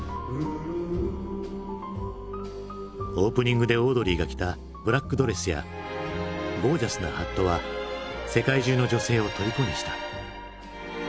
オープニングでオードリーが着たブラックドレスやゴージャスなハットは世界中の女性をとりこにした。